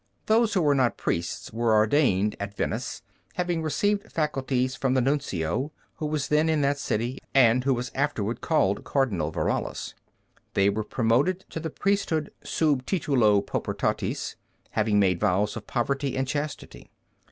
Those who were not priests were ordained at Venice, having received faculties from the Nuncio, who was then in that city and who was afterward called Cardinal Verallus. They were promoted to the priesthood sub titulo paupertatis, having made vows of poverty and chastity.